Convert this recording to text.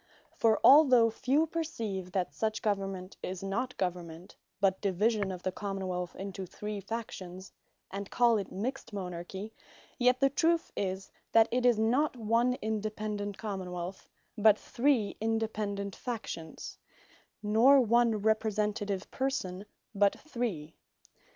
For although few perceive, that such government, is not government, but division of the Common wealth into three Factions, and call it mixt Monarchy; yet the truth is, that it is not one independent Common wealth, but three independent Factions; nor one Representative Person, but three.